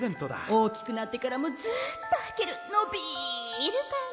大きくなってからもずっとはけるのびるパンツよ。